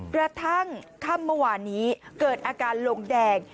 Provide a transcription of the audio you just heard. กระทั่งค่ำเมื่อวานนี้เกิดอาการลงแดง